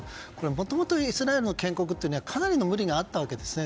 もともとイスラエルの建国ってかなりの無理があったわけですね。